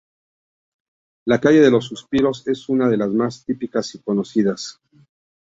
La Calle de los Suspiros es una de las más típicas y conocidas.